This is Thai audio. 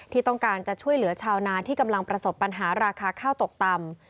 ที่ต้องการจะช่วยเหลือชาวนาที่กำลังประสบปัญหาราคาข้าวตกต่ำ